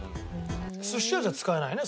寿司屋じゃ使えないよね